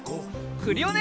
クリオネ！